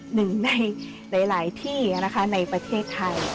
หนึ่งในหลายที่นะคะในประเทศไทย